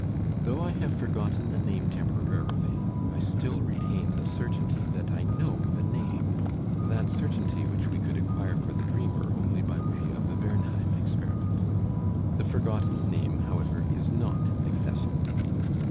Though I have forgotten a name temporarily I still retain the certainty that I know the name; that certainty which we could acquire for the dreamer only by way of the Bernheim experiment. The forgotten name, however, is not accessible.